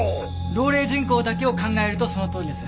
老齢人口だけを考えるとそのとおりです。